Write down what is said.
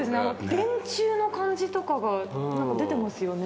電柱の感じとかが出てますよね。